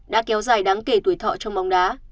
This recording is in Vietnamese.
đã kéo dài đáng kể tuổi thọ trong bóng đá